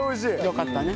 よかったね。